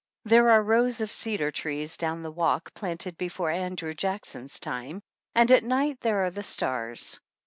There are rows of cedar trees down the walk, planted before Andrew Jackson's time ; and at night there are the stars.